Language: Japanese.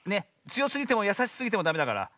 つよすぎてもやさしすぎてもダメだから。